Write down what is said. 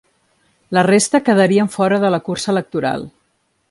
La resta quedarien fora de la cursa electoral.